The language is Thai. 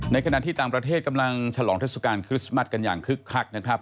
ขณะที่ต่างประเทศกำลังฉลองเทศกาลคริสต์มัสกันอย่างคึกคักนะครับ